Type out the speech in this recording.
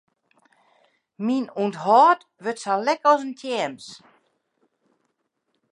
Myn ûnthâld wurdt sa lek as in tjems.